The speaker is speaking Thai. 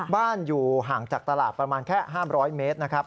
บ้านอยู่ห่างจากตลาดประมาณแค่๕๐๐เมตร